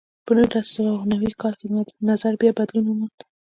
په نولس سوه نوي کال کې نظر بیا بدلون وموند.